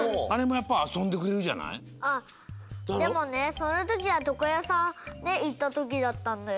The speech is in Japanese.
でもねそのときはとこやさんねいったときだったんだよ。